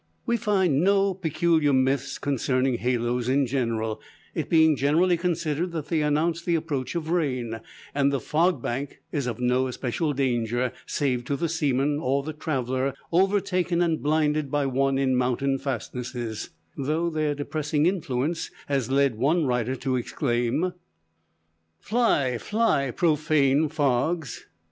We find no peculiar myths concerning halos in general, it being generally considered that they announce the approach of rain; and the fog bank is of no especial danger save to the seaman, or the traveler overtaken and blinded by one in mountain fastnesses; though their depressing influence has led one writer to exclaim: "Fly, fly, profane fogs!